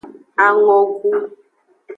Angogu.